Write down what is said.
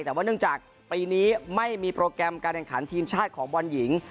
แต่ว่าเนื่องจากปีนี้ไม่มีโปรแกรมการแข่งขันทีมชาติของบอลหญิง